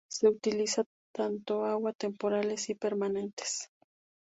Se utiliza tanto agua temporales y permanentes.